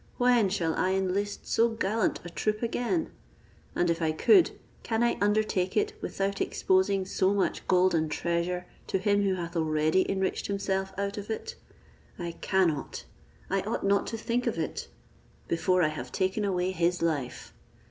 When shall I enlist so gallant a troop again? And if I could, can I undertake it without exposing so much gold and treasure to him who hath already enriched himself out of it? I cannot, I ought not to think of it, before I have taken away his life.